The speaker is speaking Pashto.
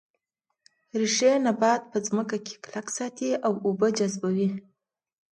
ریښې نبات په ځمکه کې کلک ساتي او اوبه جذبوي